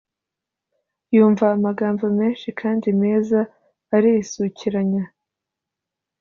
yumva amagambo menshi kandi meza arisukiranya